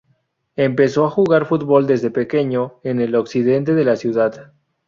Empezó a jugar fútbol desde pequeño en el occidente de la ciudad.